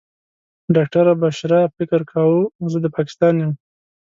ډاکټره بشرا فکر کاوه زه د پاکستان یم.